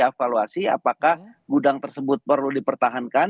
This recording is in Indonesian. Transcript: ini perlu diavaluasi apakah gudang tersebut perlu dipertahankan